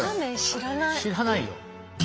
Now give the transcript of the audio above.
知らないよ。